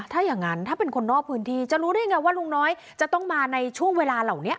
ถ้าอย่างนั้นถ้าเป็นคนนอกพื้นที่จะรู้ได้ไงว่าลุงน้อยจะต้องมาในช่วงเวลาเหล่านี้